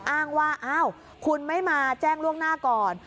อ้างว่าอ้าวคุณไม่มาแจ้งล่วงหน้าก่อน